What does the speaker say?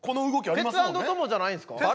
テツａｎｄトモじゃないんですか？